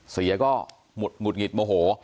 เสียก็หงุดหงิดโมโห